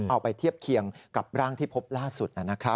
เอาไปเทียบเคียงกับร่างที่พบล่าสุด